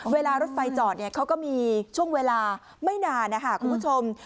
เวลารถไฟจอดเขาก็มีช่วงเวลาไม่นานนะคะคุณผู้ชม